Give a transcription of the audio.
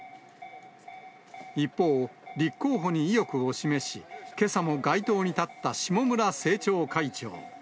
一方、立候補に意欲を示し、けさも街頭に立った下村政調会長。